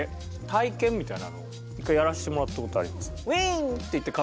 体験みたいなのを１回やらしてもらったことあります。